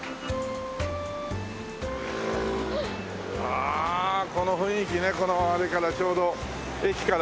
ああこの雰囲気ねあれからちょうど駅から。